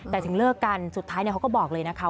แต่ถึงเลิกกันสุดท้ายเขาก็บอกเลยนะคะ